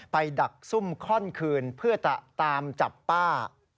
ดักซุ่มค่อนคืนเพื่อจะตามจับป้า